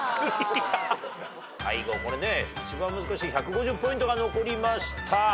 最後これね一番難しい１５０ポイントが残りました。